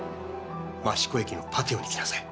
益子駅のパティオに来なさい。